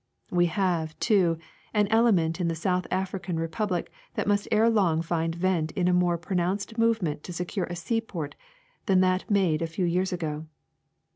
We have, too, an element in the south African republic that must ere long find vent in a more pro nounced movement to secure a seaport than that made a few years ago.